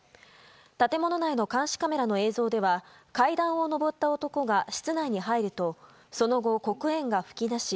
建物内の監視カメラの映像では階段を上った男が室内に入るとその後、黒煙が噴き出し